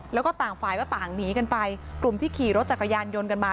แล้วก็ต่างฝ่ายก็ต่างหนีกันไปกลุ่มที่ขี่รถจักรยานยนต์กันมา